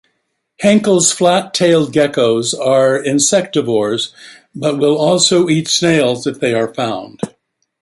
Henkel's flat-tailed geckos are insectivores, but will also eat snails if they are found.